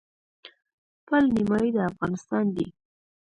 پل نیمايي د افغانستان دی.